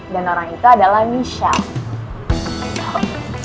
dan orang itu adalah michelle